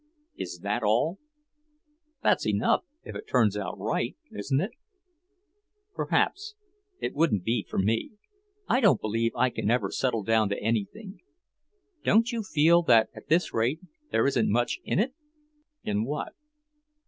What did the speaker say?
"Is that all?" "That's enough, if it turns out right, isn't it?" "Perhaps. It wouldn't be for me. I don't believe I can ever settle down to anything. Don't you feel that at this rate there isn't much in it?" "In what?"